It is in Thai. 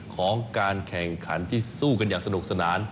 ของการแข่งขันที่สู้กันอย่างสนุกสนาน